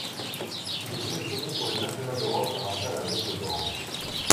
Il est sélectionné pour les Championnats d'Europe en salle à Göteborg.